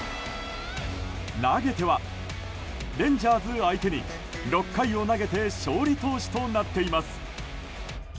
投げてはレンジャーズ相手に６回を投げて勝利投手となっています。